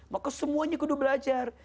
maka semuanya kudu belajar